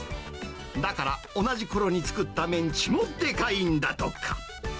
だから同じころに作ったメンチもでかいんだとか。